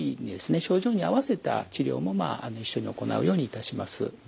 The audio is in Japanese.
症状に合わせた治療も一緒に行うようにいたします。